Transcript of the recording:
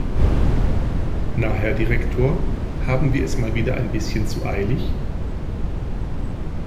Na Herr Direktor, haben wir es mal wieder ein bisschen zu eilig?